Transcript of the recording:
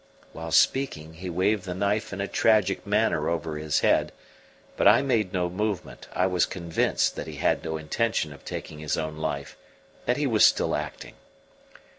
While speaking he waved the knife in a tragic manner over his head, but I made no movement; I was convinced that he had no intention of taking his own life that he was still acting.